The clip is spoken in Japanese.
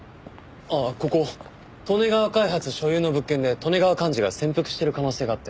ああここ利根川開発所有の物件で利根川寛二が潜伏している可能性があって。